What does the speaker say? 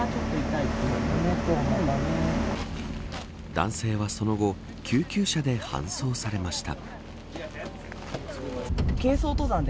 男性はその後救急車で搬送されました。